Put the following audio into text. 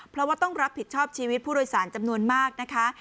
เพราะว่าต้องรับผิดชอบชีวิตผู้โดยสารจำนวนมากนะคะ